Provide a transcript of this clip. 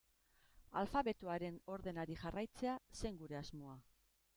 Alfabetoaren ordenari jarraitzea zen gure asmoa.